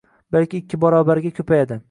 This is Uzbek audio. balki ikki barobariga ko‘payadi